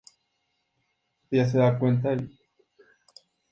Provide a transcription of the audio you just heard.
Chris Mullin reconoció que fue uno de sus discípulos.